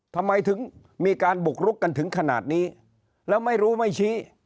ทำไมถึงมีการบุกรุกกันถึงขนาดนี้แล้วไม่รู้ไม่ชี้